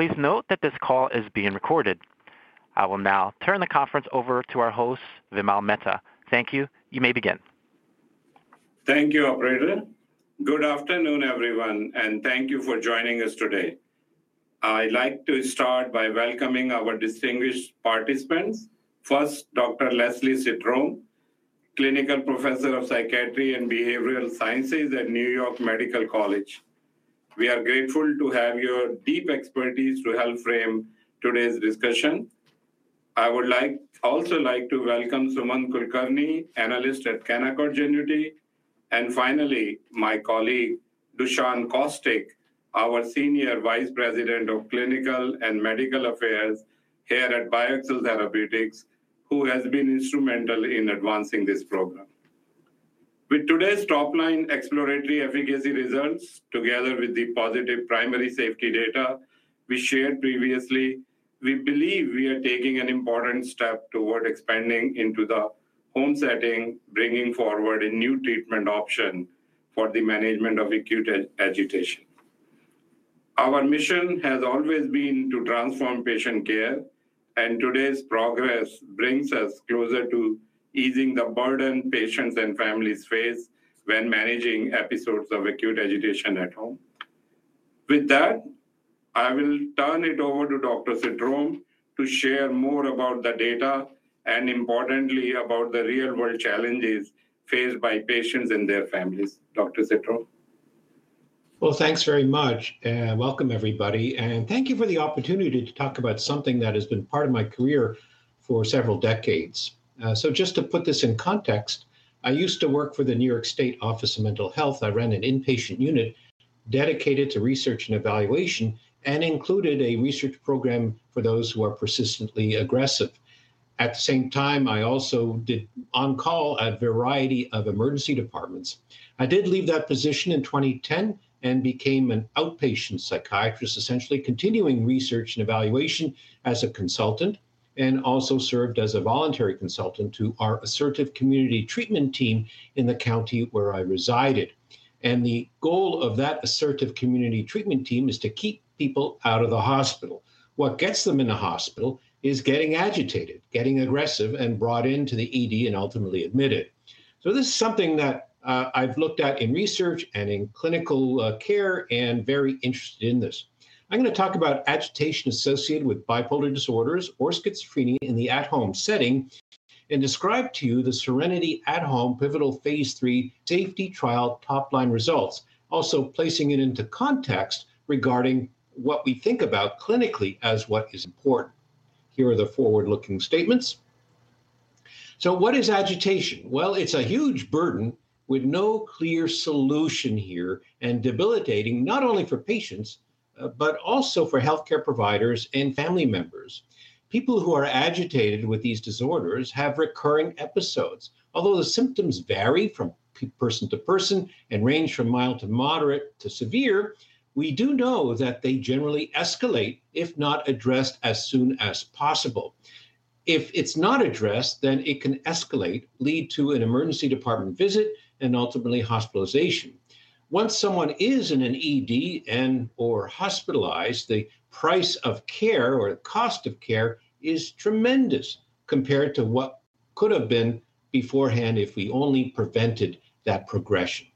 Please note that this call is being recorded. I will now turn the conference over to our host, Vimal Mehta. Thank you. You may begin. Thank you, operator. Good afternoon, everyone, and thank you for joining us today. I'd like to start by welcoming our distinguished participants. First, Dr. Leslie Citrome, Clinical Professor of Psychiatry and Behavioral Sciences at New York Medical College. We are grateful to have your deep expertise to help frame today's discussion. I would also like to welcome Sumant Kulkarni, Analyst at Canaccord Genuity. Finally, my colleague Dusan Kostic, our Senior Vice President of Clinical and Medical Affairs here at BioXcel Therapeutics, who has been instrumental in advancing this program. With today's top-line exploratory efficacy results, together with the positive primary safety data we shared previously, we believe we are taking an important step toward expanding into the home setting, bringing forward a new treatment option for the management of acute agitation. Our mission has always been to transform patient care, and today's progress brings us closer to easing the burden patients and families face when managing episodes of acute agitation at home. With that, I will turn it over to Dr. Citrome to share more about the data and, importantly, about the real-world challenges faced by patients and their families. Dr. Citrome. Thanks very much. Welcome, everybody, and thank you for the opportunity to talk about something that has been part of my career for several decades. Just to put this in context, I used to work for the New York State Office of Mental Health. I ran an inpatient unit dedicated to research and evaluation and included a research program for those who are persistently aggressive. At the same time, I also did on-call at a variety of emergency departments. I did leave that position in 2010 and became an outpatient psychiatrist, essentially continuing research and evaluation as a consultant, and also served as a voluntary consultant to our assertive community treatment team in the county where I resided. The goal of that assertive community treatment team is to keep people out of the hospital. What gets them in the hospital is getting agitated, getting aggressive, and brought into the ED and ultimately admitted. This is something that I've looked at in research and in clinical care and very interested in this. I'm going to talk about agitation associated with bipolar disorders or schizophrenia in the at-home setting and describe to you the SERENITY At-Home Pivotal Phase III safety trial top-line results, also placing it into context regarding what we think about clinically as what is important. Here are the forward-looking statements. What is agitation? It's a huge burden with no clear solution here and debilitating not only for patients but also for health care providers and family members. People who are agitated with these disorders have recurring episodes. Although the symptoms vary from person to person and range from mild to moderate to severe, we do know that they generally escalate if not addressed as soon as possible. If it's not addressed, then it can escalate, lead to an emergency department visit and ultimately hospitalization. Once someone is in an ED and/or hospitalized, the price of care or the cost of care is tremendous compared to what could have been beforehand if we only prevented that progression.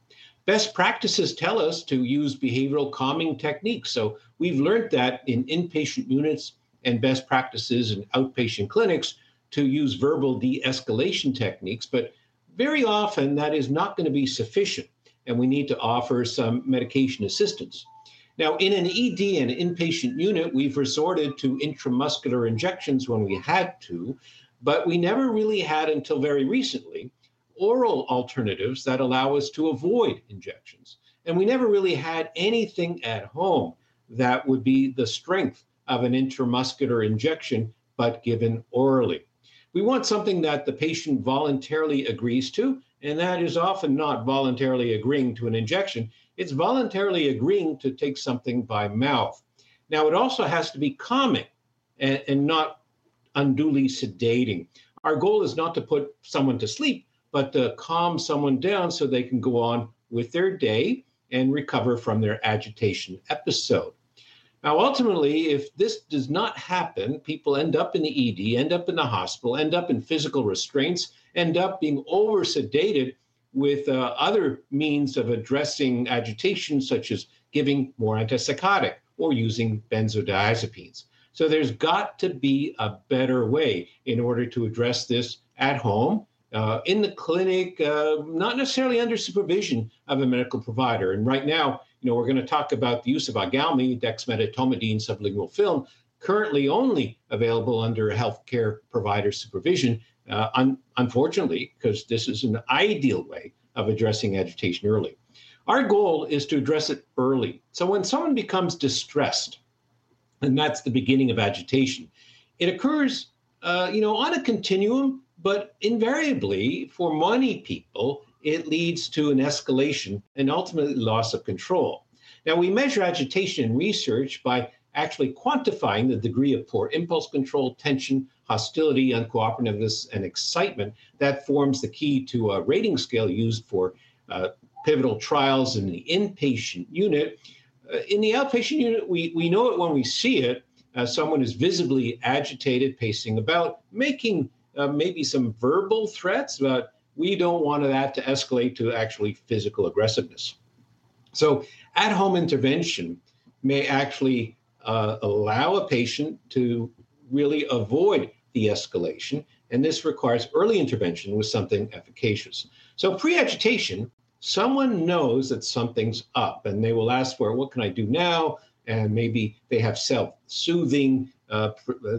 Best practices tell us to use behavioral calming techniques. We've learned that in inpatient units and best practices in outpatient clinics to use verbal de-escalation techniques, but very often that is not going to be sufficient, and we need to offer some medication assistance. Now, in an ED and inpatient unit, we've resorted to intramuscular injections when we had to, but we never really had until very recently oral alternatives that allow us to avoid injections. We never really had anything at home that would be the strength of an intramuscular injection but given orally. We want something that the patient voluntarily agrees to, and that is often not voluntarily agreeing to an injection. It's voluntarily agreeing to take something by mouth. It also has to be calming and not unduly sedating. Our goal is not to put someone to sleep but to calm someone down so they can go on with their day and recover from their agitation episode. If this does not happen, people end up in the ED, end up in the hospital, end up in physical restraints, end up being oversedated with other means of addressing agitation, such as giving more antipsychotic or using benzodiazepines. There has got to be a better way in order to address this at home, in the clinic, not necessarily under supervision of a medical provider. Right now, we're going to talk about the use of IGALMI, dexmedetomidine, sublingual film, currently only available under health care provider supervision, unfortunately, because this is an ideal way of addressing agitation early. Our goal is to address it early. When someone becomes distressed, and that's the beginning of agitation, it occurs on a continuum, but invariably for many people, it leads to an escalation and ultimately loss of control. We measure agitation in research by actually quantifying the degree of poor impulse control, tension, hostility, uncooperativeness, and excitement. That forms the key to a rating scale used for pivotal trials in the inpatient unit. In the outpatient unit, we know it when we see it. Someone is visibly agitated, pacing about, making maybe some verbal threats, but we don't want that to escalate to actually physical aggressiveness. At-home intervention may actually allow a patient to really avoid de-escalation, and this requires early intervention with something efficacious. Pre-agitation, someone knows that something's up, and they will ask for, "What can I do now?" Maybe they have self-soothing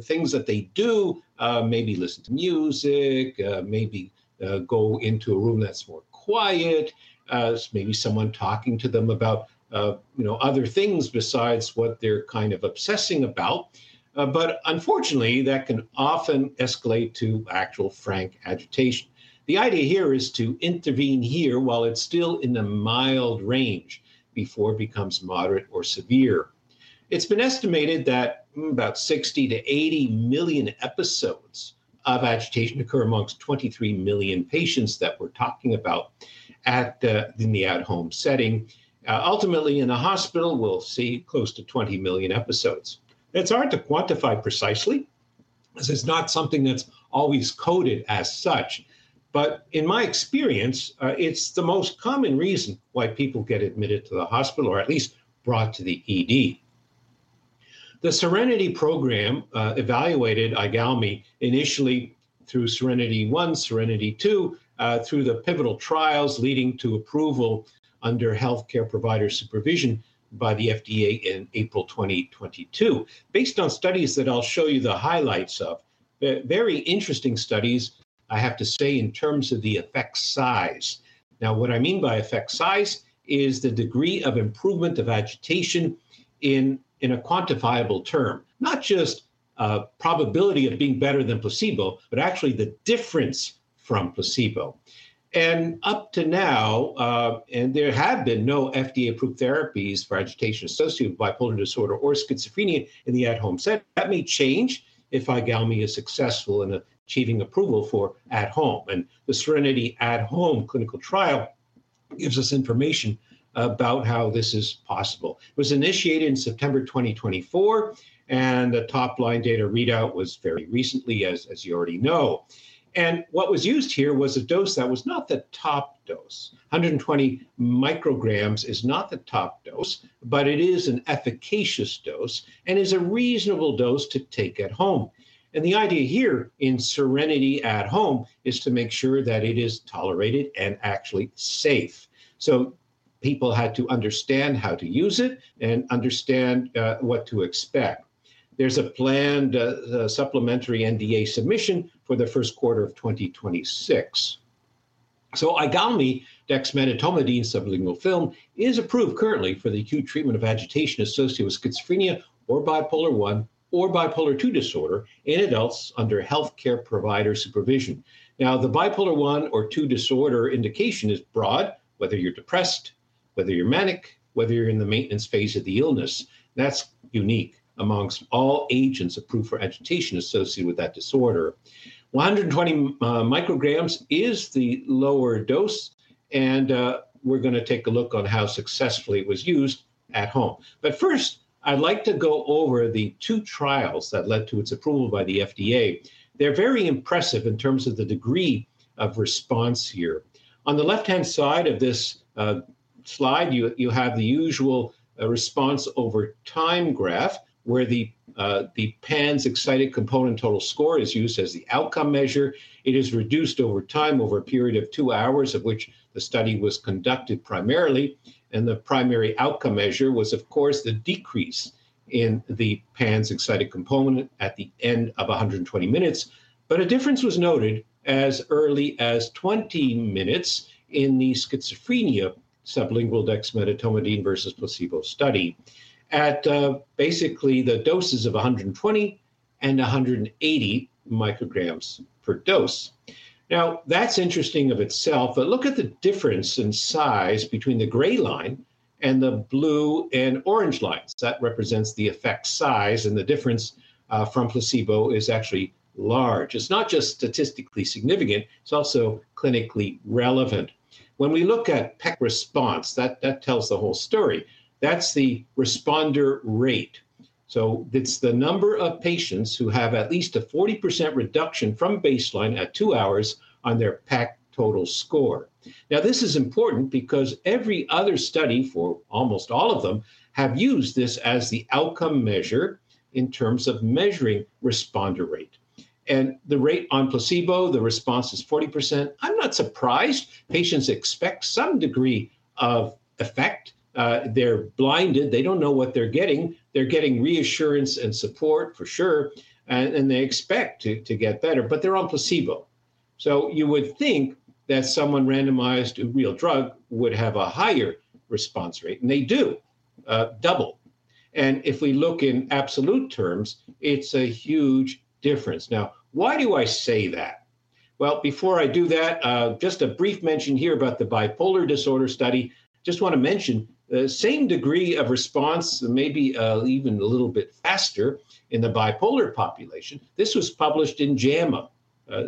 things that they do, maybe listen to music, maybe go into a room that's more quiet, maybe someone talking to them about other things besides what they're kind of obsessing about. Unfortunately, that can often escalate to actual frank agitation. The idea here is to intervene here while it's still in the mild range before it becomes moderate or severe. It's been estimated that about 60 million-80 million episodes of agitation occur amongst 23 million patients that we're talking about in the at-home setting. Ultimately, in the hospital, we'll see close to 20 million episodes. It's hard to quantify precisely because it's not something that's always coded as such, but in my experience, it's the most common reason why people get admitted to the hospital or at least brought to the ED. The SERENITY program evaluated IGALMI initially through SERENITY I, SERENITY II, through the pivotal trials leading to approval under health care provider supervision by the FDA in April 2022. Based on studies that I'll show you the highlights of, very interesting studies, I have to say, in terms of the effect size. Now, what I mean by effect size is the degree of improvement of agitation in a quantifiable term, not just a probability of being better than placebo, but actually the difference from placebo. Up to now, there have been no FDA-approved therapies for agitation associated with bipolar disorder or schizophrenia in the at-home set. That may change if IGALMI is successful in achieving approval for at-home. The SERENITY At-Home clinical trial gives us information about how this is possible. It was initiated in September 2024, and the top-line data readout was very recently, as you already know. What was used here was a dose that was not the top dose. 120 µg is not the top dose, but it is an efficacious dose and is a reasonable dose to take at home. The idea here in SERENITY At-Home is to make sure that it is tolerated and actually safe. People had to understand how to use it and understand what to expect. There's a planned supplemental NDA submission for the first quarter of 2026. IGALMI, dexmedetomidine, sublingual film, is approved currently for the acute treatment of agitation associated with schizophrenia or bipolar I or bipolar II disorder in adults under health care provider supervision. The bipolar I or bipolar II disorder indication is broad, whether you're depressed, whether you're manic, whether you're in the maintenance phase of the illness. That's unique amongst all agents approved for agitation associated with that disorder. 120 µg is the lower dose, and we're going to take a look on how successfully it was used at home. First, I'd like to go over the two trials that led to its approval by the FDA. They're very impressive in terms of the degree of response here. On the left-hand side of this slide, you have the usual response over time graph where the PANS excited component total score is used as the outcome measure. It is reduced over time over a period of two hours, which the study was conducted primarily. The primary outcome measure was, of course, the decrease in the PANS excited component at the end of 120 minutes. A difference was noted as early as 20 minutes in the schizophrenia sublingual dexmedetomidine versus placebo study at basically the doses of 120 µg and 180 µg per dose. That's interesting of itself, but look at the difference in size between the gray line and the blue and orange lines. That represents the effect size, and the difference from placebo is actually large. It's not just statistically significant. It's also clinically relevant. When we look at PEC response, that tells the whole story. That's the responder rate. It's the number of patients who have at least a 40% reduction from baseline at two hours on their PEC total score. This is important because every other study for almost all of them has used this as the outcome measure in terms of measuring responder rate. The rate on placebo, the response is 40%. I'm not surprised. Patients expect some degree of effect. They're blinded. They don't know what they're getting. They're getting reassurance and support for sure, and they expect to get better, but they're on placebo. You would think that someone randomized to a real drug would have a higher response rate, and they do double. If we look in absolute terms, it's a huge difference. Before I do that, just a brief mention here about the bipolar disorder study. I just want to mention the same degree of response, maybe even a little bit faster in the bipolar population. This was published in JAMA,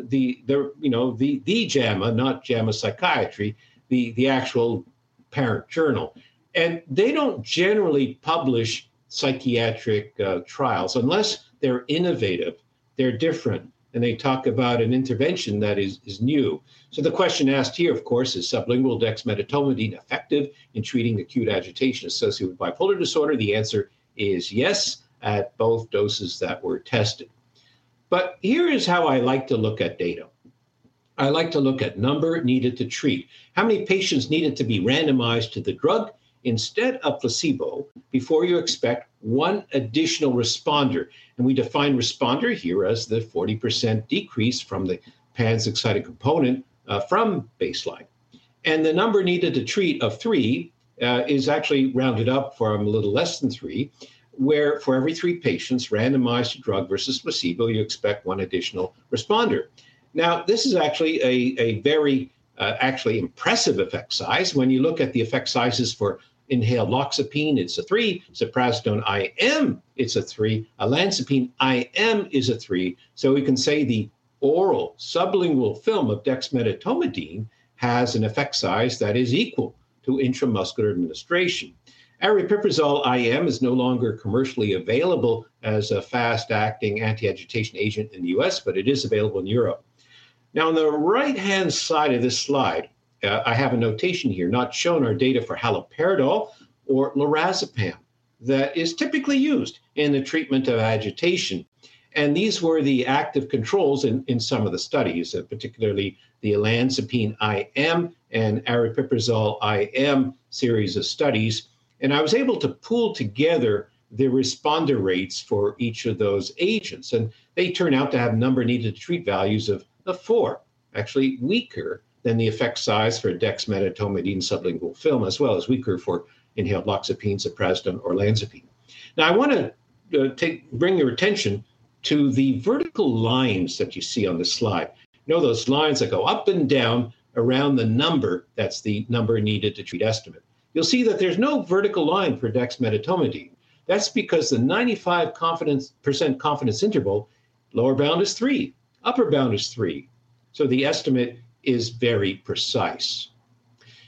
the JAMA, not JAMA Psychiatry, the actual parent journal. They don't generally publish psychiatric trials unless they're innovative, they're different, and they talk about an intervention that is new. The question asked here, of course, is sublingual dexmedetomidine effective in treating acute agitation associated with bipolar disorder? The answer is yes at both doses that were tested. Here is how I like to look at data. I like to look at number needed to treat. How many patients needed to be randomized to the drug instead of placebo before you expect one additional responder? We define responder here as the 40% decrease from the PANS excited component from baseline. The number needed to treat of 3 is actually rounded up from a little less than 3, where for every 3 patients randomized to drug versus placebo, you expect one additional responder. This is actually a very impressive effect size. When you look at the effect sizes for inhaled loxapine, it's a 3. Ziprasidone IM, it's a 3. Olanzapine IM is a 3. We can say the oral sublingual film of dexmedetomidine has an effect size that is equal to intramuscular administration. Aripiprazole IM is no longer commercially available as a fast-acting anti-agitation agent in the U.S., but it is available in Europe. On the right-hand side of this slide, I have a notation here not showing our data for haloperidol or lorazepam that is typically used in the treatment of agitation. These were the active controls in some of the studies, particularly the olanzapine IM and aripiprazole IM series of studies. I was able to pull together the responder rates for each of those agents, and they turned out to have number needed to treat values of 4, actually weaker than the effect size for dexmedetomidine sublingual film, as well as weaker for inhaled loxapine, ziprasidone, or olanzapine. I want to bring your attention to the vertical lines that you see on this slide. You know those lines that go up and down around the number, that's the number needed to treat estimate. You'll see that there's no vertical line for dexmedetomidine. That's because the 95% confidence interval lower bound is 3, upper bound is 3. The estimate is very precise.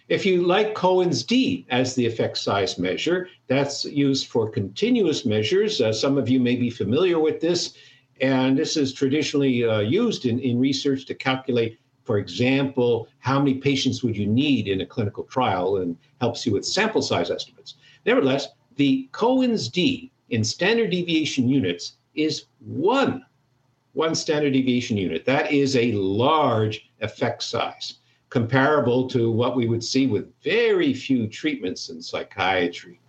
If you like Cohen's d as the effect size measure, that's used for continuous measures. Some of you may be familiar with this, and this is traditionally used in research to calculate, for example, how many patients would you need in a clinical trial and helps you with sample size estimates. Nevertheless, the Cohen's D in standard deviation units is 1 standard deviation unit. That is a large effect size comparable to what we would see with very few treatments in psychiatry.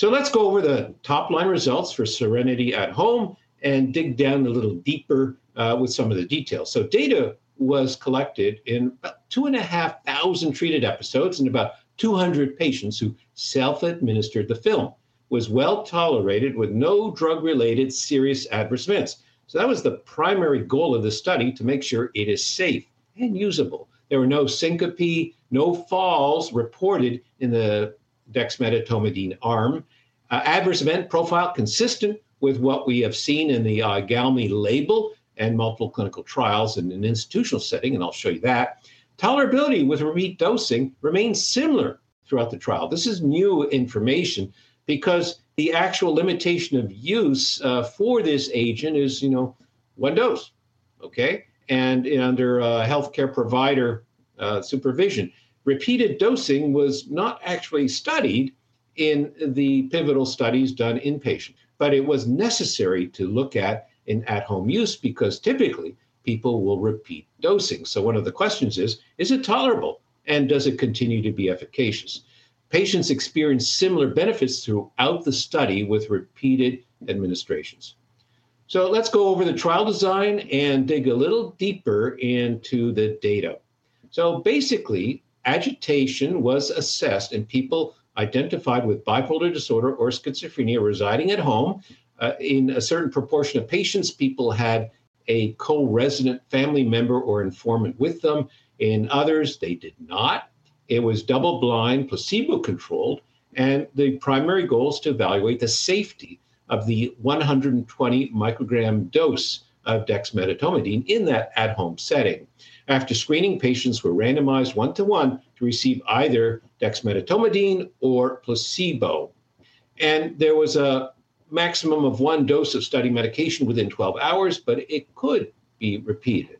Let's go over the top-line results for SERENITY At-Home and dig down a little deeper with some of the details. Data was collected in about 2,500 treated episodes and about 200 patients who self-administered the film. It was well tolerated with no drug-related serious adverse events. That was the primary goal of the study, to make sure it is safe and usable. There were no syncope, no falls reported in the dexmedetomidine arm. Adverse event profile was consistent with what we have seen in the IGALMI label and multiple clinical trials in an institutional setting, and I'll show you that. Tolerability with repeat dosing remains similar throughout the trial. This is new information because the actual limitation of use for this agent is, you know, one dose, okay, and under health care provider supervision. Repeated dosing was not actually studied in the pivotal studies done inpatient, but it was necessary to look at in at-home use because typically people will repeat dosing. One of the questions is, is it tolerable and does it continue to be efficacious? Patients experienced similar benefits throughout the study with repeated administrations. Let's go over the trial design and dig a little deeper into the data. Basically, agitation was assessed in people identified with bipolar disorder or schizophrenia residing at home. In a certain proportion of patients, people had a co-resident family member or informant with them. In others, they did not. It was double-blind, placebo-controlled, and the primary goal is to evaluate the safety of the 120 µg dose of dexmedetomidine in that at-home setting. After screening, patients were randomized one-to-one to receive either dexmedetomidine or placebo. There was a maximum of one dose of study medication within 12 hours, but it could be repeated.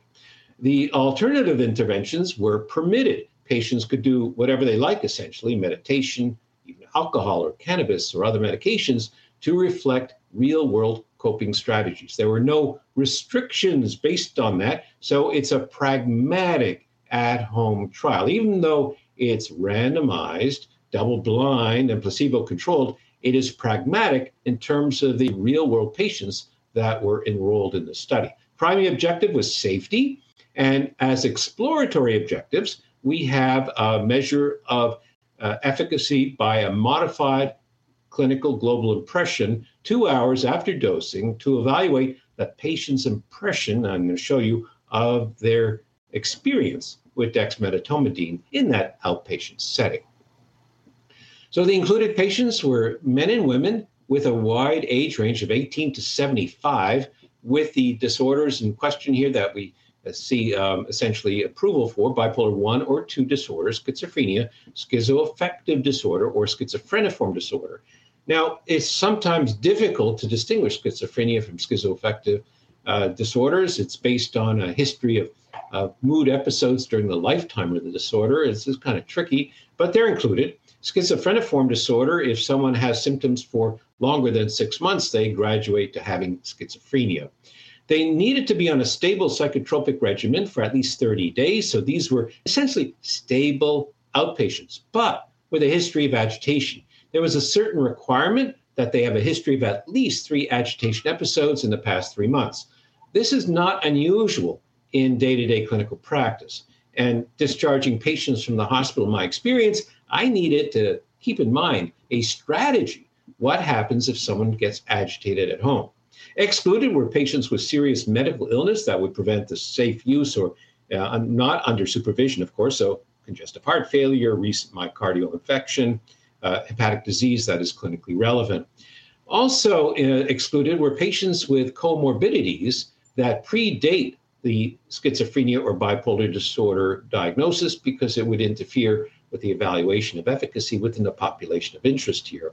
The alternative interventions were permitted. Patients could do whatever they like, essentially, meditation, even alcohol or cannabis or other medications to reflect real-world coping strategies. There were no restrictions based on that. It's a pragmatic at-home trial. Even though it's randomized, double-blind, and placebo-controlled, it is pragmatic in terms of the real-world patients that were enrolled in the study. Primary objective was safety, and as exploratory objectives, we have a measure of efficacy by a modified clinical global impression two hours after dosing to evaluate a patient's impression. I'm going to show you their experience with dexmedetomidine in that outpatient setting. The included patients were men and women with a wide age range of 18 years old-75 years old, with the disorders in question here that we see essentially approval for, bipolar I or II disorders, schizophrenia, schizoaffective disorder, or schizophreniform disorder. It's sometimes difficult to distinguish schizophrenia from schizoaffective disorders. It's based on a history of mood episodes during the lifetime of the disorder. It's just kind of tricky, but they're included. Schizophreniform disorder, if someone has symptoms for longer than six months, they graduate to having schizophrenia. They needed to be on a stable psychotropic regimen for at least 30 days. These were essentially stable outpatients, but with a history of agitation. There was a certain requirement that they have a history of at least three agitation episodes in the past three months. This is not unusual in day-to-day clinical practice. Discharging patients from the hospital, in my experience, I needed to keep in mind a strategy. What happens if someone gets agitated at home? Excluded were patients with serious medical illness that would prevent the safe use or not under supervision, of course, so congestive heart failure, recent myocardial infection, hepatic disease that is clinically relevant. Also excluded were patients with comorbidities that predate the schizophrenia or bipolar disorder diagnosis because it would interfere with the evaluation of efficacy within the population of interest here.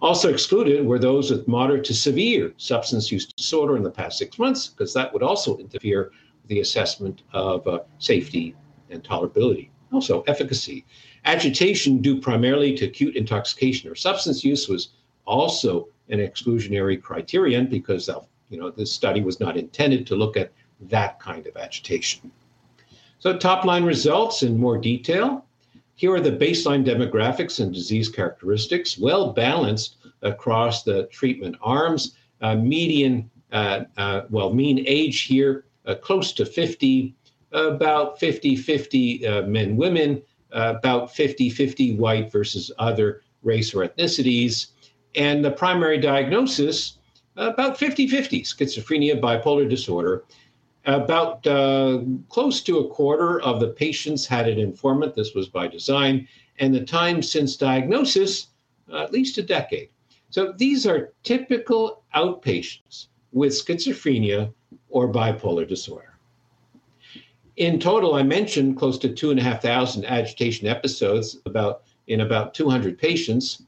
Also excluded were those with moderate to severe substance use disorder in the past six months because that would also interfere with the assessment of safety and tolerability. Also, efficacy. Agitation due primarily to acute intoxication or substance use was also an exclusionary criterion because this study was not intended to look at that kind of agitation. Top-line results in more detail. Here are the baseline demographics and disease characteristics, well-balanced across the treatment arms. Mean age here, close to 50 years old, about 50/50 men/women, about 50/50 white versus other race or ethnicities. The primary diagnosis, about 50/50, schizophrenia, bipolar disorder. About close to 1/4 of the patients had an informant. This was by design. The time since diagnosis, at least a decade. These are typical outpatients with schizophrenia or bipolar disorder. In total, I mentioned close to two and a half thousand agitation episodes in about 200 patients.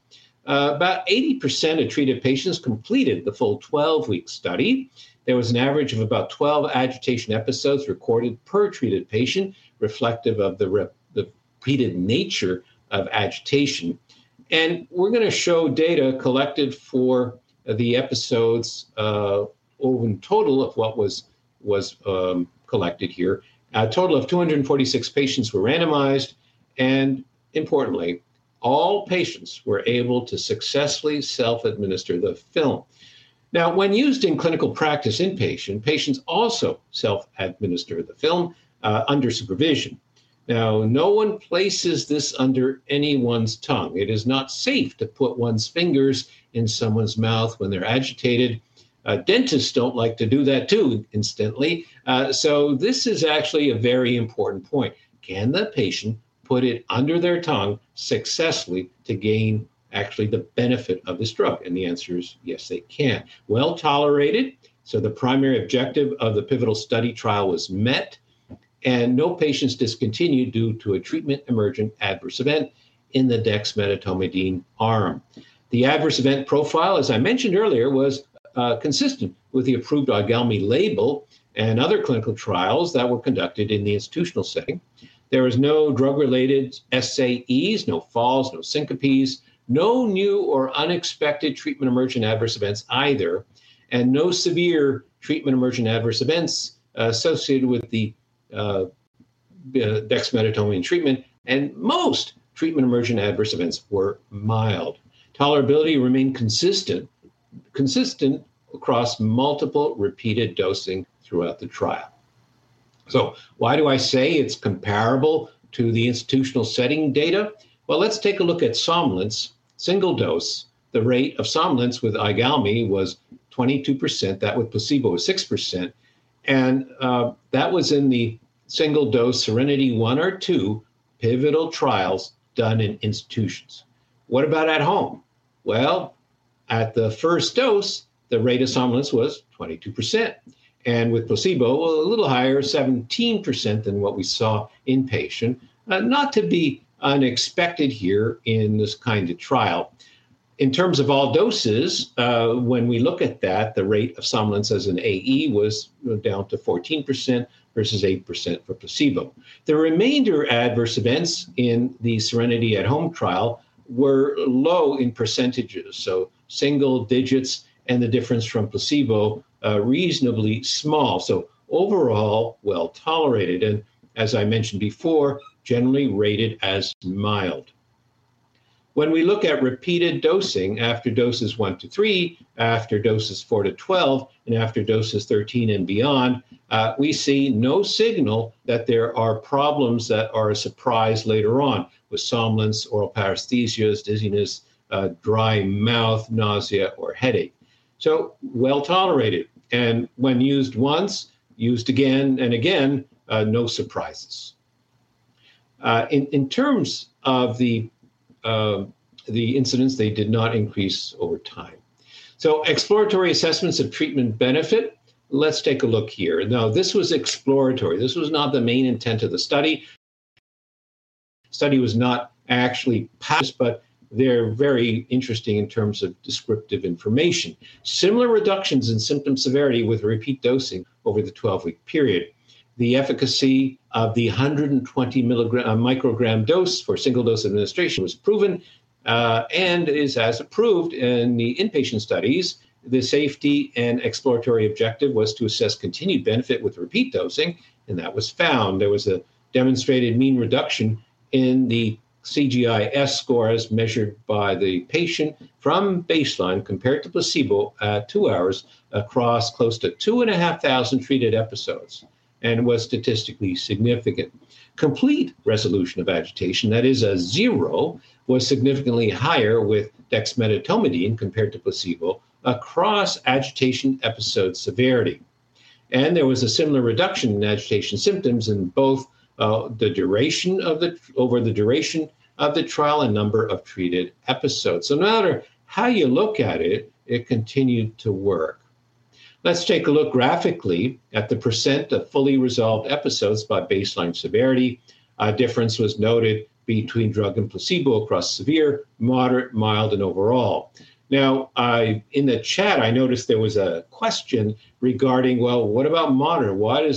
About 80% of treated patients completed the full 12-week study. There was an average of about 12 agitation episodes recorded per treated patient, reflective of the repeated nature of agitation. We are going to show data collected for the episodes, over in total, of what was collected here. A total of 246 patients were randomized. Importantly, all patients were able to successfully self-administer the film. When used in clinical practice inpatient, patients also self-administer the film under supervision. No one places this under anyone's tongue. It is not safe to put one's fingers in someone's mouth when they're agitated. Dentists don't like to do that too instantly. This is actually a very important point. Can the patient put it under their tongue successfully to gain actually the benefit of this drug? The answer is yes, they can. Well tolerated. The primary objective of the pivotal study trial was met, and no patients discontinued due to a treatment emergent adverse event in the dexmedetomidine arm. The adverse event profile, as I mentioned earlier, was consistent with the approved IGALMI label and other clinical trials that were conducted in the institutional setting. There were no drug-related SAEs, no falls, no syncopes, no new or unexpected treatment emergent adverse events either, and no severe treatment emergent adverse events associated with the dexmedetomidine treatment. Most treatment emergent adverse events were mild. Tolerability remained consistent across multiple repeated dosing throughout the trial. Why do I say it's comparable to the institutional setting data? Let's take a look at somnolence, single dose. The rate of somnolence with IGALMI was 22%. That with placebo was 6%. That was in the single dose SERENITY I or SERENITY II pivotal trials done in institutions. What about at home? At the first dose, the rate of somnolence was 22%. With placebo, a little higher, 17% than what we saw inpatient, not to be unexpected here in this kind of trial. In terms of all doses, when we look at that, the rate of somnolence as an AE was down to 14% versus 8% for placebo. The remainder adverse events in the SERENITY At-Home trial were low in percentages. Single digits and the difference from placebo are reasonably small. Overall, well tolerated. As I mentioned before, generally rated as mild. When we look at repeated dosing after doses one to three, after doses four to 12, and after doses 13 and beyond, we see no signal that there are problems that are a surprise later on with somnolence, oral paresthesias, dizziness, dry mouth, nausea, or headache. It is so well tolerated. When used once, used again and again, no surprises. In terms of the incidence, they did not increase over time. Exploratory assessments of treatment benefit. Let's take a look here. This was exploratory. This was not the main intent of the study. The study was not actually powered, but they're very interesting in terms of descriptive information. Similar reductions in symptom severity with repeat dosing over the 12-week period. The efficacy of the 120 µg dose for single dose administration was proven and is as approved in the inpatient studies. The safety and exploratory objective was to assess continued benefit with repeat dosing, and that was found. There was a demonstrated mean reduction in the CGI-S score as measured by the patient from baseline compared to placebo at two hours across close to 2,500 treated episodes and was statistically significant. Complete resolution of agitation, that is, a zero, was significantly higher with dexmedetomidine compared to placebo across agitation episode severity. There was a similar reduction in agitation symptoms in both the duration of the trial and number of treated episodes. No matter how you look at it, it continued to work. Let's take a look graphically at the percent of fully resolved episodes by baseline severity. A difference was noted between drug and placebo across severe, moderate, mild, and overall. In the chat, I noticed there was a question regarding, what about moderate? Why do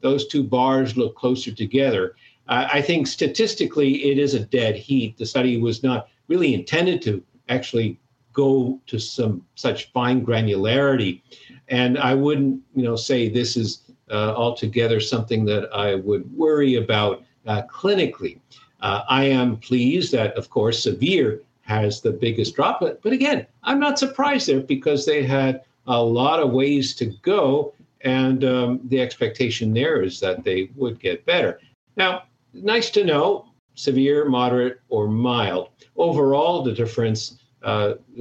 those two bars look closer together? I think statistically, it is a dead heat. The study was not really intended to actually go to such fine granularity. I wouldn't say this is altogether something that I would worry about clinically. I am pleased that, of course, severe has the biggest drop. I am not surprised there because they had a lot of ways to go, and the expectation there is that they would get better. Nice to know severe, moderate, or mild. Overall, the difference was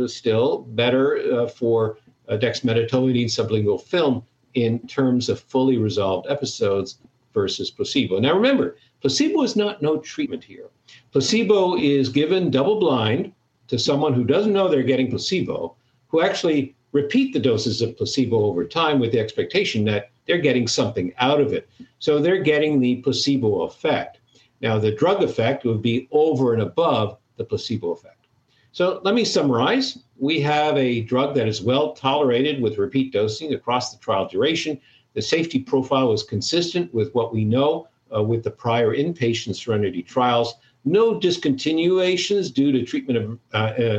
still better for dexmedetomidine sublingual film in terms of fully resolved episodes versus placebo. Remember, placebo is not no treatment here. Placebo is given double-blind to someone who doesn't know they're getting placebo, who actually repeat the doses of placebo over time with the expectation that they're getting something out of it. They're getting the placebo effect. Now, the drug effect would be over and above the placebo effect. Let me summarize. We have a drug that is well tolerated with repeat dosing across the trial duration. The safety profile was consistent with what we know with the prior inpatient SERENITY trials. No discontinuations due to treatment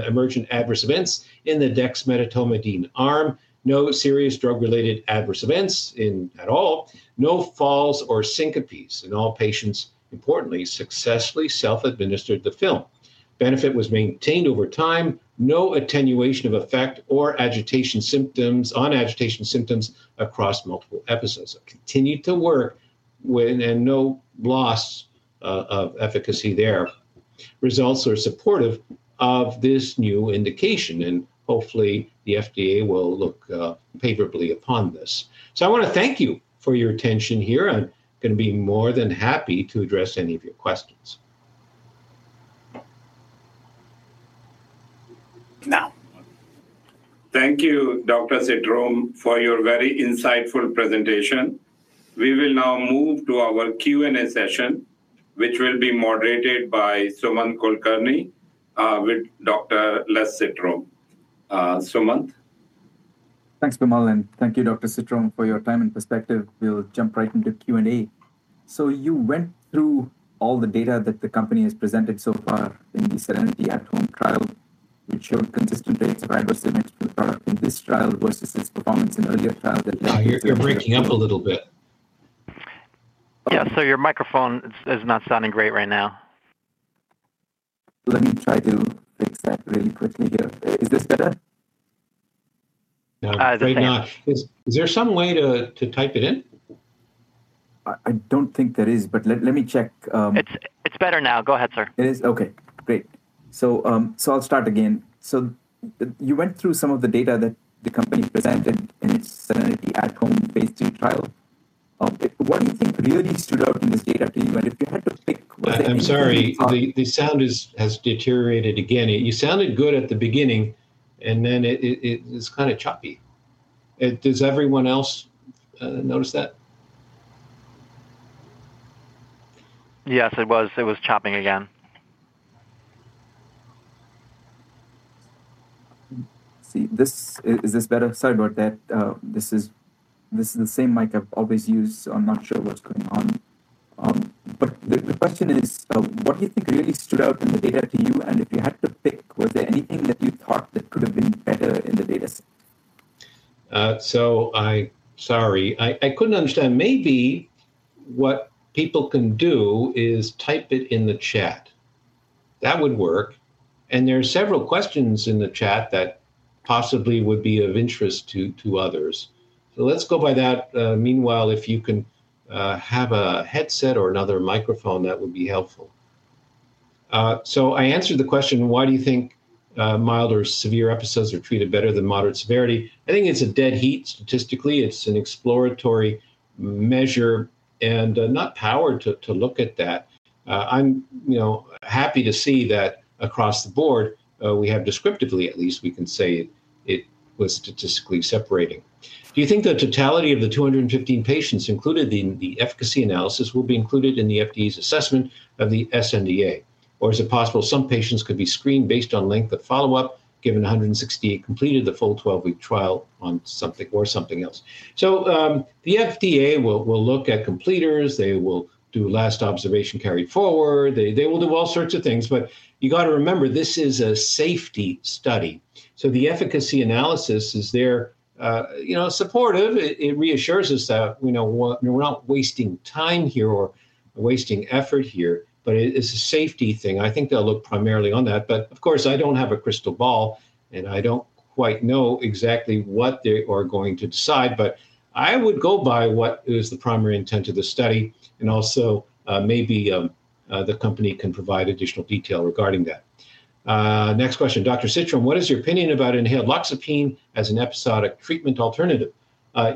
emergent adverse events in the dexmedetomidine arm. No serious drug-related adverse events at all. No falls or syncopes. All patients, importantly, successfully self-administered the film. Benefit was maintained over time. No attenuation of effect on agitation symptoms across multiple episodes. It continued to work with no loss of efficacy there. Results are supportive of this new indication, and hopefully, the FDA will look favorably upon this. I want to thank you for your attention here. I'm going to be more than happy to address any of your questions. Thank you, Dr. Citrome, for your very insightful presentation. We will now move to our Q&A session, which will be moderated by Sumanth Kulkarni with Dr. Les Citrome. Sumanth. Thanks, Vimal, and thank you, Dr. Citrome, for your time and perspective. We'll jump right into Q&A. You went through all the data that the company has presented so far in the SERENITY At-Home trial, which showed consistent rates of adverse events in this trial. What is the performance in earlier trials? You're breaking up a little bit. Yeah, your microphone is not sounding great right now. Let me try to expand really quickly. Is this better? Is there some way to type it in? I don't think there is, but let me check. It's better now. Go ahead, sir. Okay, great. I'll start again. You went through some of the data that the company presented in the SERENITY At-Home Phase III trial. What do you think really stood out in this data? I'm sorry. The sound has deteriorated again. You sounded good at the beginning, and then it's kind of choppy. Does everyone else notice that? Yes, it was. It was chopping again. Is this better? Sorry about that. This is the same mic I've always used. I'm not sure what's going on. The question is, what do you think really stood out in the data to you? If you had to pick, was there anything that you thought that could have been better in the data? I'm sorry. I couldn't understand. Maybe what people can do is type it in the chat. That would work. There are several questions in the chat that possibly would be of interest to others. Let's go by that. Meanwhile, if you can have a headset or another microphone, that would be helpful. I answered the question, why do you think mild or severe episodes are treated better than moderate severity? I think it's a dead heat. Statistically, it's an exploratory measure and not powered to look at that. I'm happy to see that across the board, we have descriptively, at least we can say it was statistically separating. Do you think the totality of the 215 patients included in the efficacy analysis will be included in the FDA's assessment of the supplemental NDA? Or is it possible some patients could be screened based on length of follow-up given 168 completed the full 12-week trial on something or something else? The FDA will look at completers. They will do last observation carried forward. They will do all sorts of things. You got to remember, this is a safety study. The efficacy analysis is there supportive. It reassures us that we're not wasting time here or wasting effort here, but it's a safety thing. I think they'll look primarily on that. Of course, I don't have a crystal ball, and I don't quite know exactly what they are going to decide. I would go by what is the primary intent of the study, and also maybe the company can provide additional detail regarding that. Next question, Dr. Citrome. What is your opinion about inhaled loxapine as an episodic treatment alternative?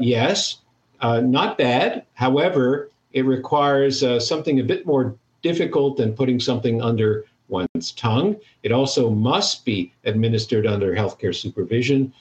Yes, not bad. However, it requires something a bit more difficult than putting something under one's tongue. It also must be administered under health care supervision,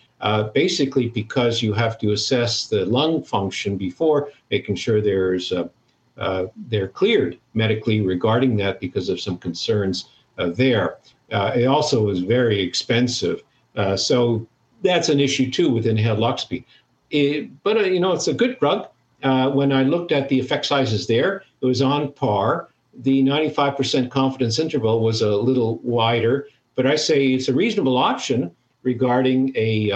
basically because you have to assess the lung function before making sure they're cleared medically regarding that because of some concerns there. It also is very expensive. That's an issue too with inhaled loxapine. It's a good drug. When I looked at the effect sizes there, it was on par. The 95% confidence interval was a little wider. I say it's a reasonable option regarding a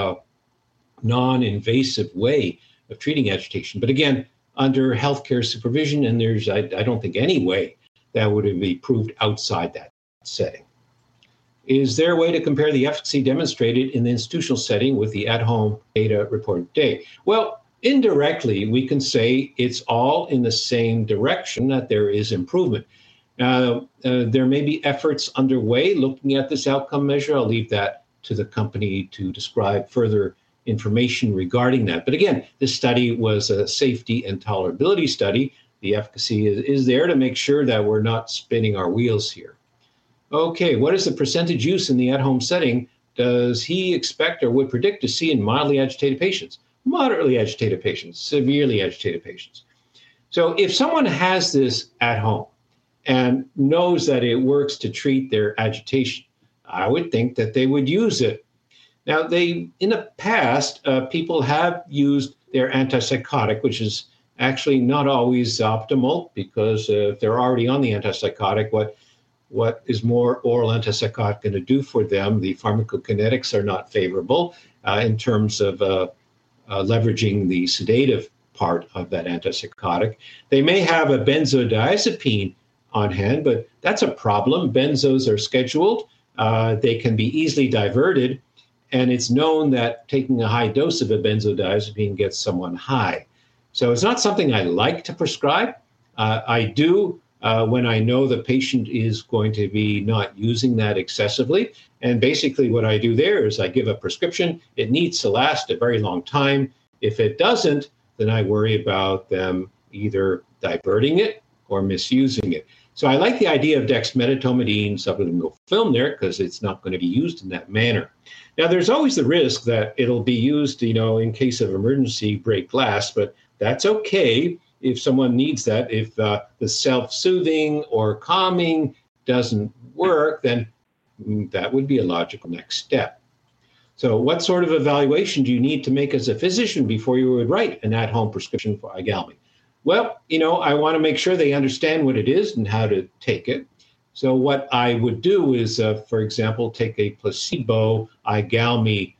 non-invasive way of treating agitation. Again, under health care supervision, and there's I don't think any way that would be proved outside that setting. Is there a way to compare the efficacy demonstrated in the institutional setting with the at-home data reported today? Indirectly, we can say it's all in the same direction that there is improvement. There may be efforts underway looking at this outcome measure. I'll leave that to the company to describe further information regarding that. Again, this study was a safety and tolerability study. The efficacy is there to make sure that we're not spinning our wheels here. What is the percentage use in the at-home setting? Does he expect or would predict to see in mildly agitated patients, moderately agitated patients, severely agitated patients? If someone has this at home and knows that it works to treat their agitation, I would think that they would use it. In the past, people have used their antipsychotic, which is actually not always optimal because they're already on the antipsychotic. What is more oral antipsychotic going to do for them? The pharmacokinetics are not favorable in terms of leveraging the sedative part of that antipsychotic. They may have a benzodiazepine on hand, but that's a problem. Benzos are scheduled. They can be easily diverted. It's known that taking a high dose of a benzodiazepine gets someone high. It's not something I'd like to prescribe. I do when I know the patient is going to be not using that excessively. Basically, what I do there is I give a prescription. It needs to last a very long time. If it doesn't, then I worry about them either diverting it or misusing it. I like the idea of dexmedetomidine sublingual film there because it's not going to be used in that manner. There's always the risk that it'll be used in case of emergency break glass, but that's okay if someone needs that. If the self-soothing or calming doesn't work, that would be a logical next step. What sort of evaluation do you need to make as a physician before you would write an at-home prescription for IGALMI? I want to make sure they understand what it is and how to take it. What I would do is, for example, take a placebo IGALMI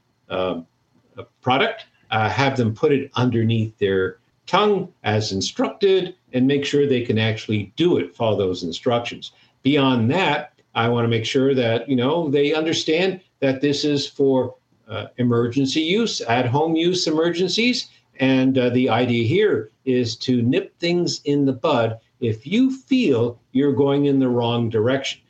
product, have them put it underneath their tongue as instructed, and make sure they can actually do it, follow those instructions. Beyond that, I want to make sure that they understand that this is for emergency use, at-home use emergencies. The idea here is to nip things in the bud if you feel you're going in the wrong direction.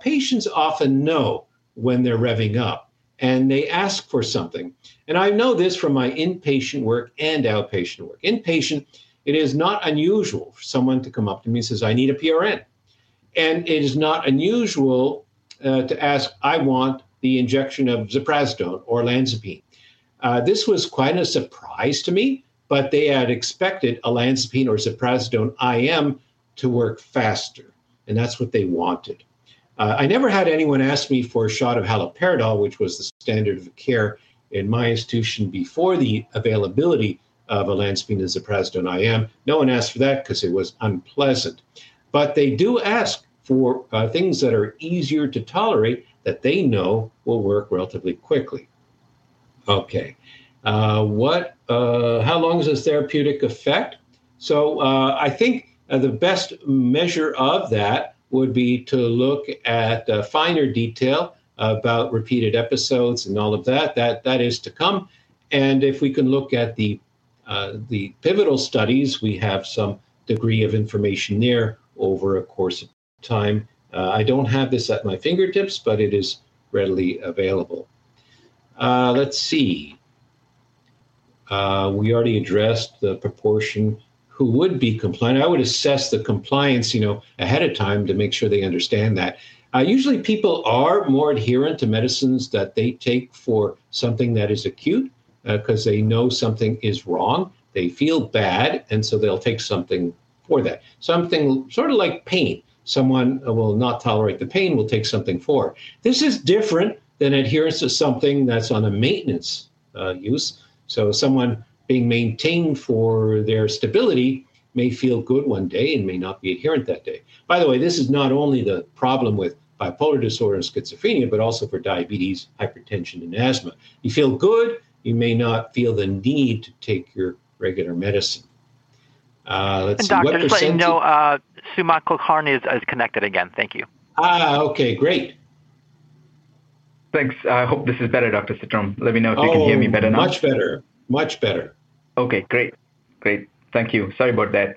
Patients often know when they're revving up, and they ask for something. I know this from my inpatient work and outpatient work. Inpatient, it is not unusual for someone to come up to me and say, "I need a PRN." It is not unusual to ask, "I want the injection of ziprasidone, olanzapine." This was quite a surprise to me, but they had expected olanzapine or ziprasidone IM to work faster, and that's what they wanted. I never had anyone ask me for a shot of haloperidol, which was the standard of care in my institution before the availability of olanzapine and ziprasidone IM. No one asked for that because it was unpleasant. They do ask for things that are easier to tolerate, that they know will work relatively quickly. OK. How long is this therapeutic effect? I think the best measure of that would be to look at finer detail about repeated episodes and all of that. That is to come. If we can look at the pivotal studies, we have some degree of information there over a course of time. I don't have this at my fingertips, but it is readily available. Let's see. We already addressed the proportion who would be compliant. I would assess the compliance ahead of time to make sure they understand that. Usually, people are more adherent to medicines that they take for something that is acute because they know something is wrong. They feel bad, and so they'll take something for that, something sort of like pain. Someone who will not tolerate the pain will take something for it. This is different than adherence to something that's on a maintenance use. Someone being maintained for their stability may feel good one day and may not be adherent that day. By the way, this is not only the problem with bipolar disorder or schizophrenia, but also for diabetes, hypertension, and asthma. You feel good. You may not feel the need to take your regular medicine. Dr. Citrome, let me know. Sumanth Kulkarni is connected again. Thank you. Okay, great. Thanks. I hope this is better, Dr. Citrome. Let me know if you can hear me better now. Much better. Much better. Great. Thank you. Sorry about that.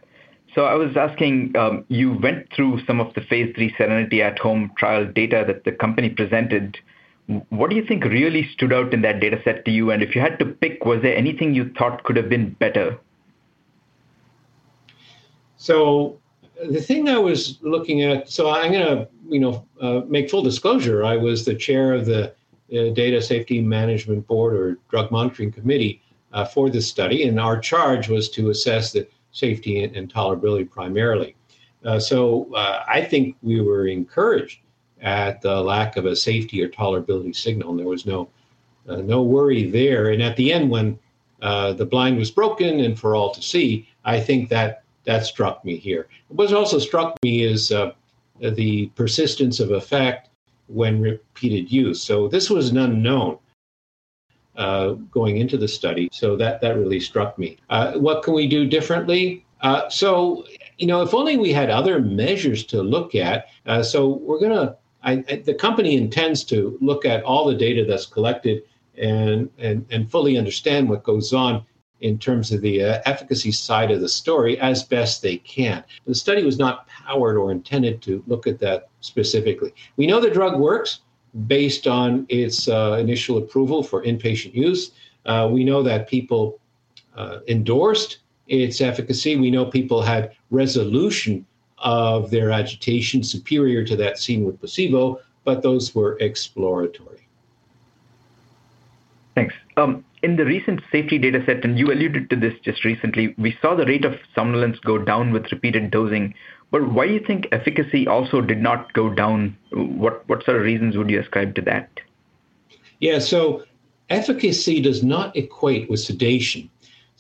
I was asking, you went through some of the Phase III SERENITY At-Home trial data that the company presented. What do you think really stood out in that data set to you? If you had to pick, was there anything you thought could have been better? The thing I was looking at, I'm going to make full disclosure. I was the Chair of the Data Safety Management Board or Drug Monitoring Committee for this study, and our charge was to assess the safety and tolerability primarily. I think we were encouraged at the lack of a safety or tolerability signal, and there was no worry there. At the end, when the blind was broken and for all to see, I think that struck me here. What also struck me is the persistence of effect with repeated use. This was an unknown going into the study. That really struck me. What can we do differently? If only we had other measures to look at. The company intends to look at all the data that's collected and fully understand what goes on in terms of the efficacy side of the story as best they can. The study was not powered or intended to look at that specifically. We know the drug works based on its initial approval for inpatient use. We know that people endorsed its efficacy. We know people had resolution of their agitation superior to that seen with placebo, but those were exploratory. Thanks. In the recent safety data set, and you alluded to this just recently, we saw the rate of somnolence go down with repeated dosing. Why do you think efficacy also did not go down? What sort of reasons would you ascribe to that? Yeah, efficacy does not equate with sedation.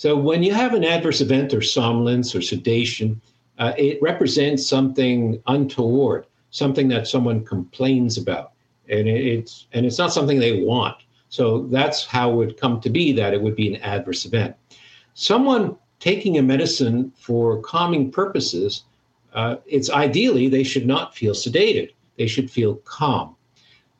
When you have an adverse event or somnolence or sedation, it represents something untoward, something that someone complains about, and it's not something they want. That's how it would come to be that it would be an adverse event. Someone taking a medicine for calming purposes, ideally, they should not feel sedated. They should feel calm.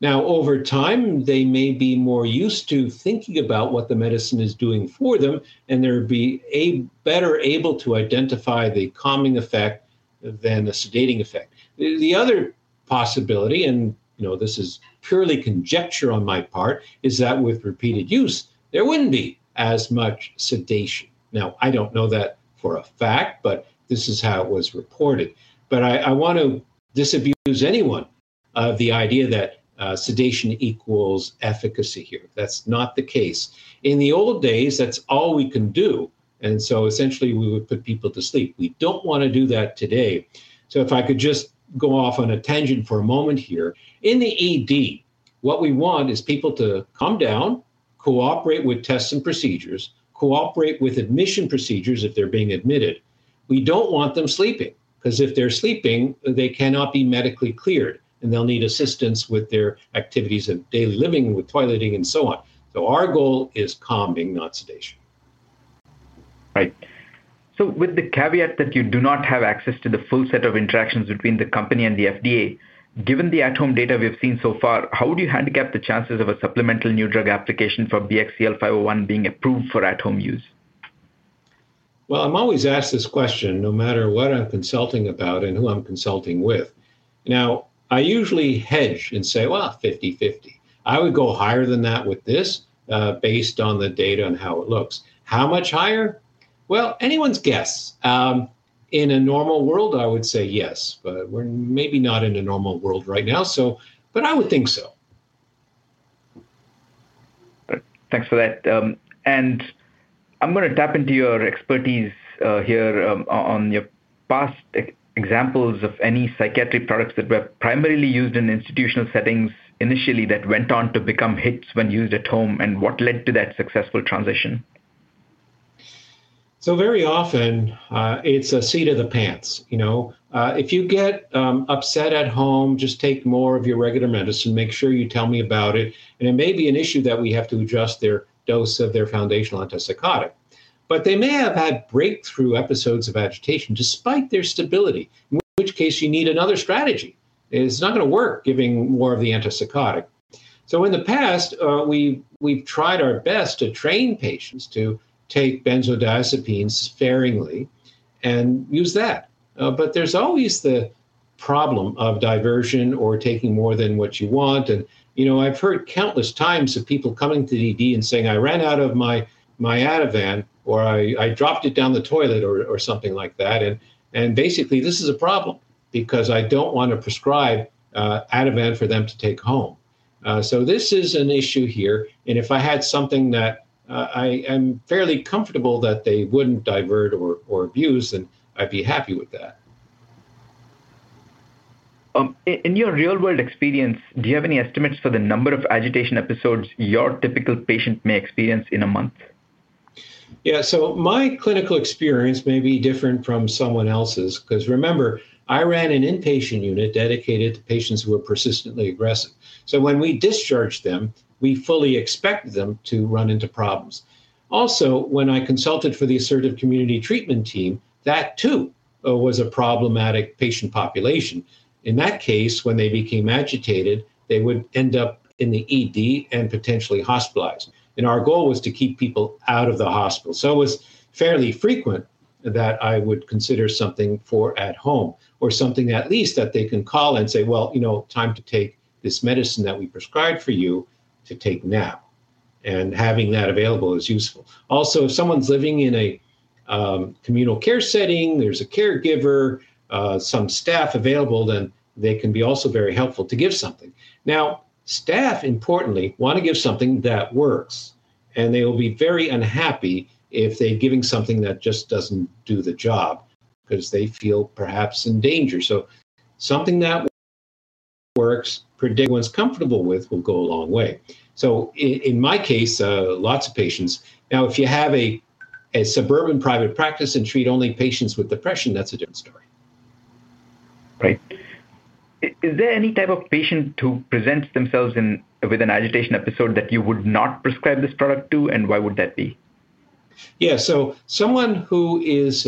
Over time, they may be more used to thinking about what the medicine is doing for them, and they'll be better able to identify the calming effect than the sedating effect. The other possibility, and this is purely conjecture on my part, is that with repeated use, there wouldn't be as much sedation. I don't know that for a fact, but this is how it was reported. I want to disabuse anyone of the idea that sedation equals efficacy here. That's not the case. In the old days, that's all we can do. Essentially, we would put people to sleep. We don't want to do that today. If I could just go off on a tangent for a moment here, in the ED, what we want is people to come down, cooperate with tests and procedures, cooperate with admission procedures if they're being admitted. We don't want them sleeping because if they're sleeping, they cannot be medically cleared, and they'll need assistance with their activities of daily living, with toileting, and so on. Our goal is calming, not sedation. Right. With the caveat that you do not have access to the full set of interactions between the company and the FDA, given the at-home data we have seen so far, how would you handicap the chances of a supplemental NDA for BXCL501 being approved for at-home use? I'm always asked this question no matter what I'm consulting about and who I'm consulting with. I usually hedge and say, well, 50/50. I would go higher than that with this based on the data and how it looks. How much higher? Anyone's guess. In a normal world, I would say yes, but we're maybe not in a normal world right now. I would think so. Thank you for that. I'm going to tap into your expertise here on your past examples of any psychiatric products that were primarily used in institutional settings initially that went on to become hits when used at home and what led to that successful transition. Very often, it's a seat of the pants. If you get upset at home, just take more of your regular medicine. Make sure you tell me about it. It may be an issue that we have to adjust their dose of their foundational antipsychotic. They may have had breakthrough episodes of agitation despite their stability, in which case you need another strategy. It's not going to work giving more of the antipsychotic. In the past, we tried our best to train patients to take benzodiazepines sparingly and use that. There's always the problem of diversion or taking more than what you want. I've heard countless times of people coming to the ED and saying, "I ran out of my Ativan," or "I dropped it down the toilet," or something like that. This is a problem because I don't want to prescribe Ativan for them to take home. This is an issue here. If I had something that I am fairly comfortable that they wouldn't divert or abuse, then I'd be happy with that. In your real-world experience, do you have any estimates for the number of agitation episodes your typical patient may experience in a month? Yeah, so my clinical experience may be different from someone else's because remember, I ran an inpatient unit dedicated to patients who were persistently aggressive. When we discharged them, we fully expected them to run into problems. Also, when I consulted for the assertive community treatment team, that too was a problematic patient population. In that case, when they became agitated, they would end up in the ED and potentially hospitalized. Our goal was to keep people out of the hospital. It was fairly frequent that I would consider something for at home or something at least that they can call and say, "You know, time to take this medicine that we prescribed for you to take now." Having that available is useful. Also, if someone's living in a communal care setting, there's a caregiver, some staff available, then they can be also very helpful to give something. Staff, importantly, want to give something that works. They will be very unhappy if they're giving something that just doesn't do the job because they feel perhaps in danger. Something that works, predicts what's comfortable with, will go a long way. In my case, lots of patients. If you have a suburban private practice and treat only patients with depression, that's a different story. Right. Is there any type of patient who presents themselves with an agitation episode that you would not prescribe this product to, and why would that be? Yeah, so someone who is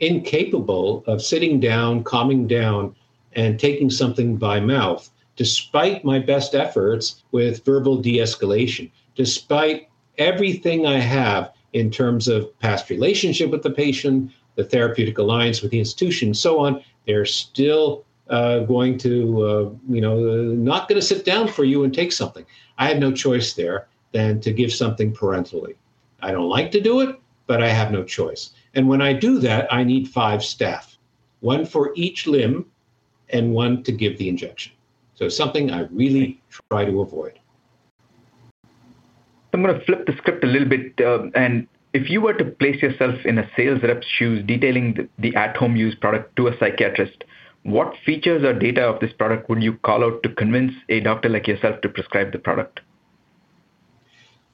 incapable of sitting down, calming down, and taking something by mouth, despite my best efforts with verbal de-escalation, despite everything I have in terms of past relationship with the patient, the therapeutic alliance with the institution, and so on, they're still not going to sit down for you and take something. I have no choice there than to give something parenterally. I don't like to do it, but I have no choice. When I do that, I need five staff, one for each limb and one to give the injection. That's something I really try to avoid. I'm going to flip the script a little bit. If you were to place yourself in a sales rep's shoes detailing the at-home use product to a psychiatrist, what features or data of this product would you call out to convince a doctor like yourself to prescribe the product?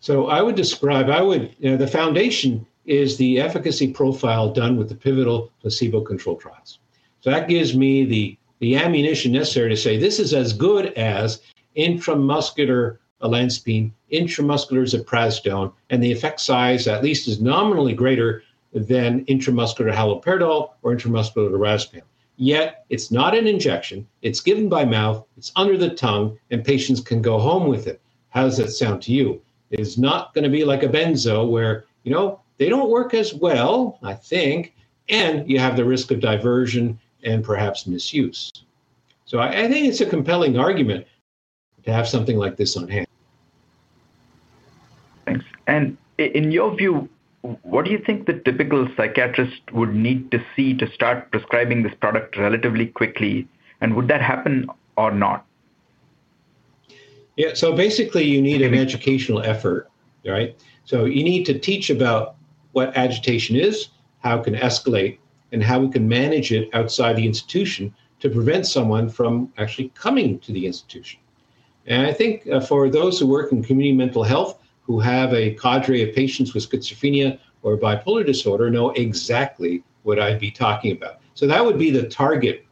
I would describe the foundation as the efficacy profile done with the pivotal placebo-controlled trials. That gives me the ammunition necessary to say this is as good as intramuscular olanzapine, intramuscular ziprasidone, and the effect size at least is nominally greater than intramuscular haloperidol or intramuscular lorazepam. Yet it's not an injection. It's given by mouth, it's under the tongue, and patients can go home with it. How does that sound to you? It's not going to be like a benzo where they don't work as well, I think, and you have the risk of diversion and perhaps misuse. I think it's a compelling argument to have something like this on hand. Thank you. In your view, what do you think the typical psychiatrist would need to see to start prescribing this product relatively quickly? Would that happen or not? Yeah, so basically, you need an educational effort, right? You need to teach about what agitation is, how it can escalate, and how we can manage it outside the institution to prevent someone from actually coming to the institution. I think for those who work in community mental health who have a cadre of patients with schizophrenia or bipolar disorder know exactly what I'd be talking about. That would be the target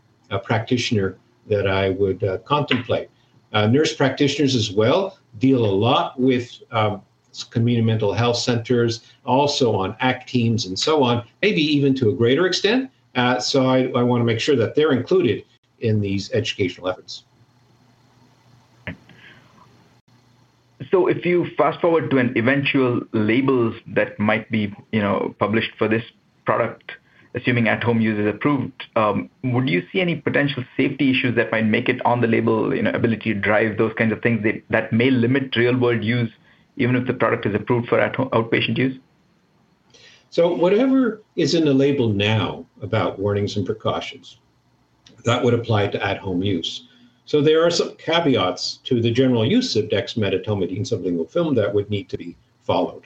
practitioner that I would contemplate. Nurse Practitioners as well deal a lot with community mental health centers, also on ACT teams and so on, maybe even to a greater extent. I want to make sure that they're included in these educational efforts. If you fast forward to an eventual label that might be published for this product, assuming at-home use is approved, would you see any potential safety issues that might make it on the label, ability to drive, those kinds of things that may limit real-world use even if the product is approved for outpatient use? Whatever is in the label now about warnings and precautions would apply to at-home use. There are some caveats to the general use of dexmedetomidine sublingual film that would need to be followed.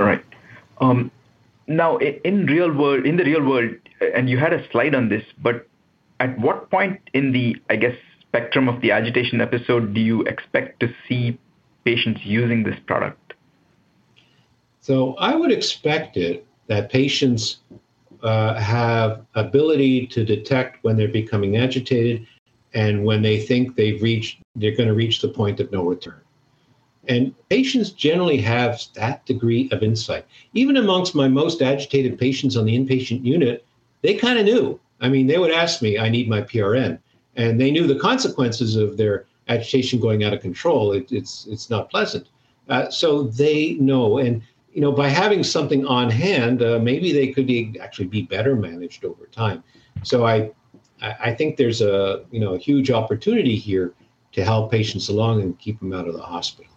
All right. Now, in the real world, and you had a slide on this, at what point in the, I guess, spectrum of the agitation episode do you expect to see patients using this product? I would expect that patients have the ability to detect when they're becoming agitated and when they think they're going to reach the point of no return. Patients generally have that degree of insight. Even amongst my most agitated patients on the inpatient unit, they kind of knew. I mean, they would ask me, "I need my PRN." They knew the consequences of their agitation going out of control. It's not pleasant. They know. By having something on hand, maybe they could actually be better managed over time. I think there's a huge opportunity here to help patients along and keep them out of the hospital.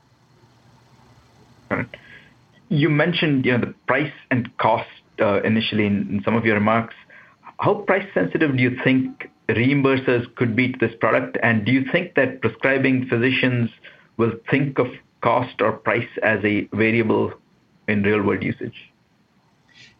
You mentioned the price and cost initially in some of your remarks. How price-sensitive do you think reimbursers could be to this product? Do you think that prescribing physicians will think of cost or price as a variable in real-world usage?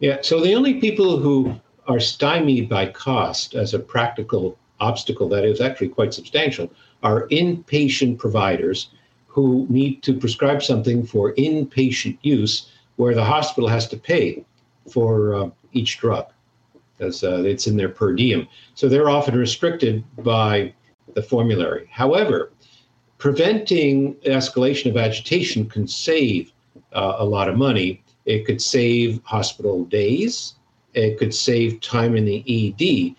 Yeah, the only people who are stymied by cost as a practical obstacle that is actually quite substantial are inpatient providers who need to prescribe something for inpatient use where the hospital has to pay for each drug because it's in their per diem. They're often restricted by the formulary. However, preventing the escalation of agitation can save a lot of money. It could save hospital days. It could save time in the ED.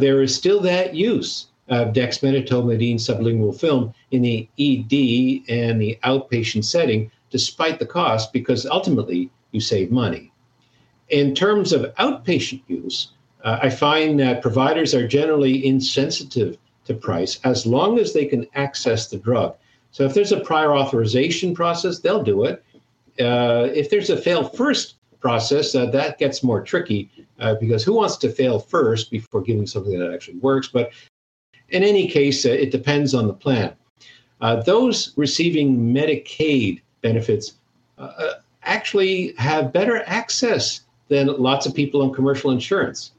There is still that use of dexmedetomidine sublingual film in the ED and the outpatient setting despite the cost because ultimately, you save money. In terms of outpatient use, I find that providers are generally insensitive to price as long as they can access the drug. If there's a prior authorization process, they'll do it. If there's a fail-first process, that gets more tricky because who wants to fail first before giving something that actually works? In any case, it depends on the plan. Those receiving Medicaid benefits actually have better access than lots of people on commercial insurance.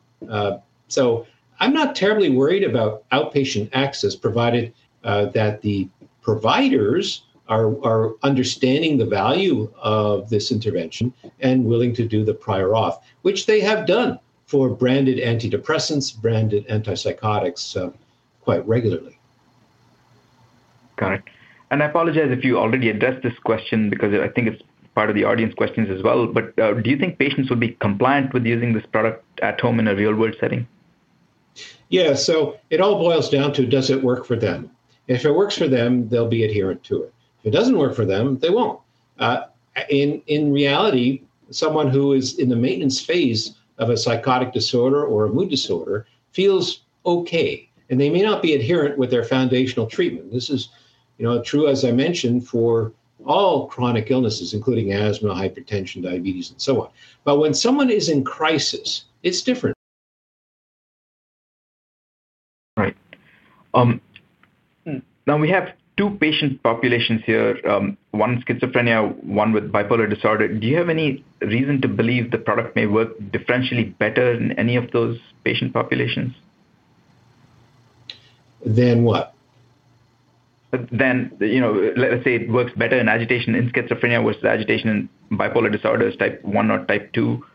I'm not terribly worried about outpatient access provided that the providers are understanding the value of this intervention and willing to do the prior auth, which they have done for branded antidepressants, branded antipsychotics quite regularly. Got it. I apologize if you already addressed this question because I think it's part of the audience questions as well. Do you think patients would be compliant with using this product at home in a real-world setting? Yeah, so it all boils down to does it work for them? If it works for them, they'll be adherent to it. If it doesn't work for them, they won't. In reality, someone who is in the maintenance phase of a psychotic disorder or a mood disorder feels okay, and they may not be adherent with their foundational treatment. This is true, as I mentioned, for all chronic illnesses, including asthma, hypertension, diabetes, and so on. When someone is in crisis, it's different. Right. Now, we have two patient populations here, one schizophrenia, one with bipolar disorder. Do you have any reason to believe the product may work differentially better in any of those patient populations? Than what? Than, let's say, it works better in agitation and schizophrenia versus agitation and bipolar disorders type 1 or type 2.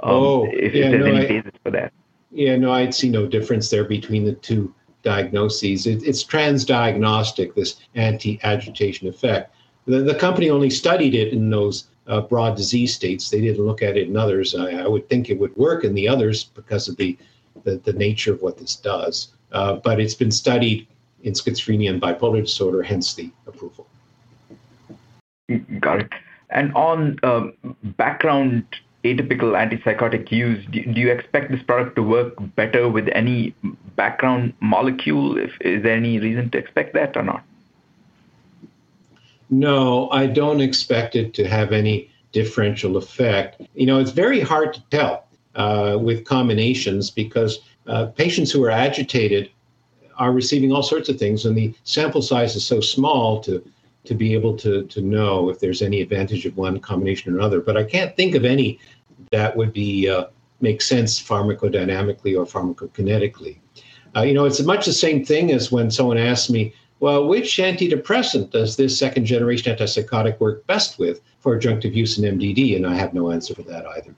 Oh, yeah. If there's any data for that. Yeah, no, I'd see no difference there between the two diagnoses. It's transdiagnostic, this anti-agitation effect. The company only studied it in those broad disease states. They didn't look at it in others. I would think it would work in the others because of the nature of what this does. It's been studied in schizophrenia and bipolar disorder, hence the approval. Got it. On background atypical antipsychotic use, do you expect this product to work better with any background molecule? Is there any reason to expect that or not? No, I don't expect it to have any differential effect. It's very hard to tell with combinations because patients who are agitated are receiving all sorts of things, and the sample size is so small to be able to know if there's any advantage of one combination or another. I can't think of any that would make sense pharmacodynamically or pharmacokinetically. It's much the same thing as when someone asked me, which antidepressant does this second-generation antipsychotic work best with for adjunctive use in MDD? I have no answer for that either.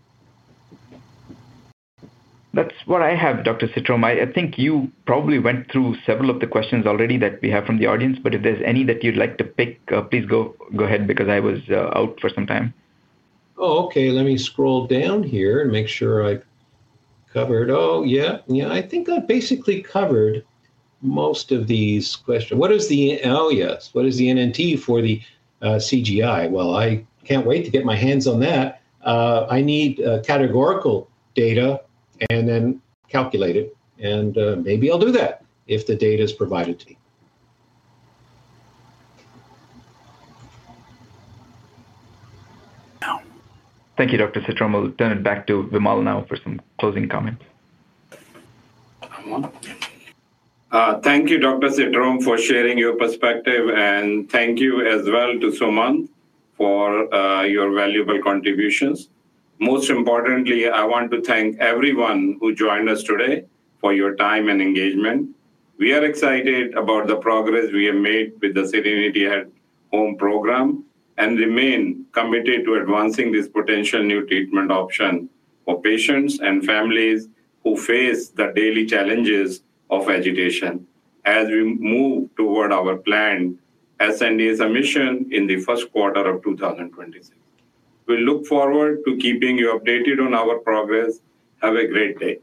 That's what I had, Dr. Citrome. I think you probably went through several of the questions already that we have from the audience. If there's any that you'd like to pick, please go ahead because I was out for some time. Okay. Let me scroll down here and make sure I covered. Yeah, I think I basically covered most of these questions. What is the, oh yes, what is the NNT for the CGI? I can't wait to get my hands on that. I need categorical data and then calculate it. Maybe I'll do that if the data is provided to me. Thank you, Dr. Citrome. We'll turn it back to Vimal now for some closing comments. Thank you, Dr. Citrome, for sharing your perspective. Thank you as well to Sumanth for your valuable contributions. Most importantly, I want to thank everyone who joined us today for your time and engagement. We are excited about the progress we have made with the SERENITY At-Home program and remain committed to advancing this potential new treatment option for patients and families who face the daily challenges of agitation. As we move toward our planned supplemental NDA submission in the first quarter of 2026, we look forward to keeping you updated on our progress. Have a great day.